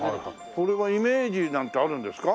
これはイメージなんてあるんですか？